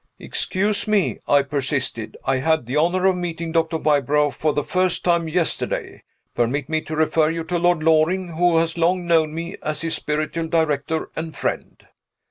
"Excuse me," I persisted. "I had the honor of meeting Doctor Wybrow, for the first time, yesterday. Permit me to refer you to Lord Loring, who has long known me as his spiritual director and friend."